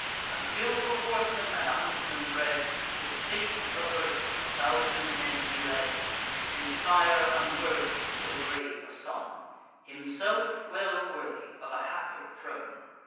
A skilful horseman, and a huntsman bred, With fates averse a thousand men he led: His sire unworthy of so brave a son; Himself well worthy of a happier throne.